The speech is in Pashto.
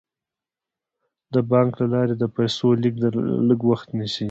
د بانک له لارې د پيسو لیږد لږ وخت نیسي.